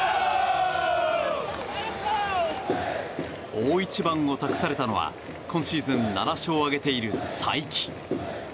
大一番を託されたのは今シーズン７勝を挙げている才木。